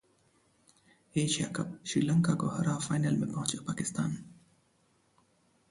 Asia Cup: Sri Lanka को हरा final में पहुंचा पाकिस्तान